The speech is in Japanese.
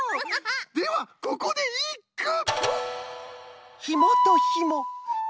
ではここでいっく！